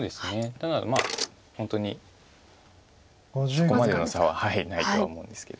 ただ本当にそこまでの差はないとは思うんですけど。